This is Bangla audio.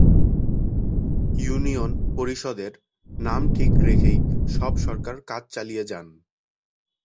ইউনিয়ন পরিষদের নাম ঠিক রেখেই সব সরকার কাজ চালিয়ে যান।